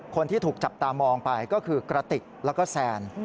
คนที่ถูกจับตามองไปก็คือกระติกแล้วก็แซน